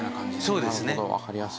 そうですね。